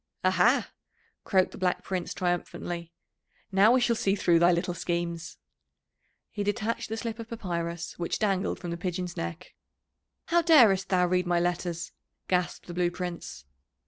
"Aha!" croaked the Black Prince triumphantly. "Now we shall see through thy little schemes." He detached the slip of papyrus which dangled from the pigeon's neck. "How darest thou read my letters?" gasped the Blue Prince.